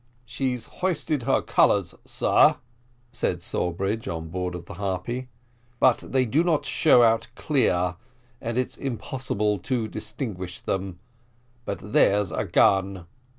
"She's hoisted her colours, sir," said Sawbridge, on board of the Harpy; "but they do not show out clear, and it's impossible to distinguish them; but there's a gun."